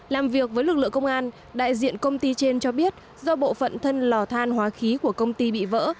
làm việc với lực lượng công an đại diện công ty trên cho biết do bộ phận thân lò than hóa khí của công ty bị vỡ